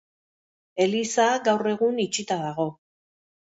Eliza gaur egun itxita dago.